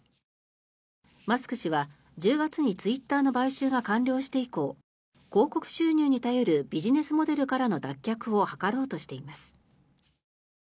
マスク氏は、１０月にツイッターの買収が完了して以降広告収入によるビジネスモデルからの脱却を図ろうとしています。